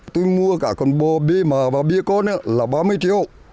tôi mua cả con bò bia mò và bia con là ba mươi triệu